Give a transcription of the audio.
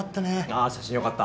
ああ写真よかった。